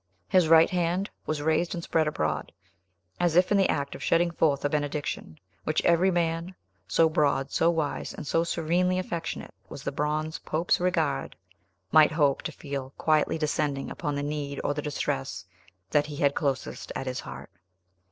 His right hand was raised and spread abroad, as if in the act of shedding forth a benediction, which every man so broad, so wise, and so serenely affectionate was the bronze pope's regard might hope to feel quietly descending upon the need, or the distress, that he had closest at his heart.